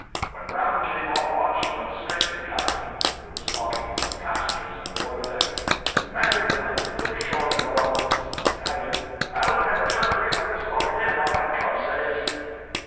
When Brown came off watch he went straight to the captain, who was talking with some passengers on the boiler deck, and demanded that I be put ashore in New Orleans and added 'I'll never turn a wheel on this boat again while that cub stays.'